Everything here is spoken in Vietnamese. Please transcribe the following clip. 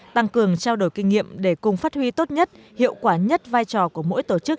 tăng cường trao đổi kinh nghiệm để cùng phát huy tốt nhất hiệu quả nhất vai trò của mỗi tổ chức